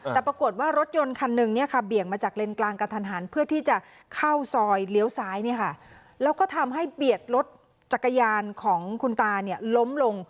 แต่ปรากฏว่ารถยนต์คันหนึ่งเบี่ยงมาจากเลนกลางกระทันหันเพื่อที่จะเข้าซอยเลี้ยวซ้ายแล้วก็ทำให้เบียดรถจักรยานของคุณตาล้มลง